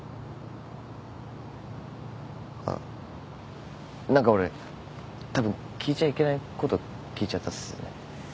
あっ何か俺たぶん聞いちゃいけないこと聞いちゃったっすよね。